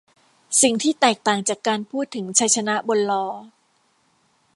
สิ่งที่แตกต่างจากการพูดถึงชัยชนะบนล้อ